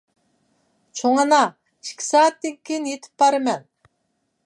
چوڭ ئانا، ئىككى سائەتتىن كېيىن يېتىپ بارىمەن.